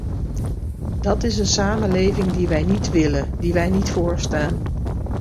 Dat is een samenleving die wij niet willen, die wij niet voorstaan.